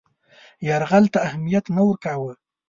یرغل ته اهمیت نه ورکاوه.